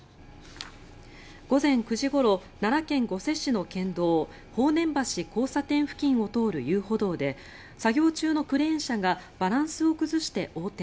午前９時ごろ奈良県御所市の県道豊年橋交差点を通る遊歩道で作業中のクレーン車がバランスを崩して横転。